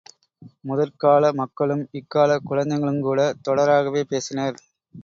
முதற்கால மக்களும் இக்காலக் குழந்தைகளுங் கூட, தொடராகவே பேசினர்.